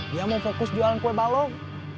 dia mau fokus jualan kue balok